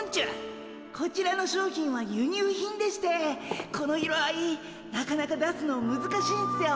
こちらの商品は輸入品でしてこの色合いなかなか出すのむずかしいんすよ。